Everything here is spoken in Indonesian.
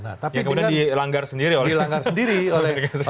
yang dilanggar sendiri oleh yerusalem